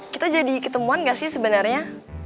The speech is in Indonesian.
kita jadi ketemuan gak sih sebenarnya